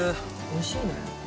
おいしいね。